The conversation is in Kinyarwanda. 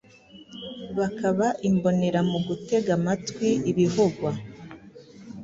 bakaba imbonera mu gutega amatwi ibivugwa